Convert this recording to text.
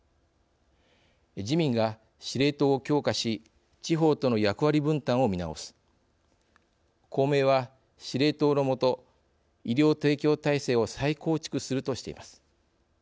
自民が、「司令塔を強化し地方との役割分担を見直す」公明は、「司令塔のもと医療提供体制を再構築」するとしています。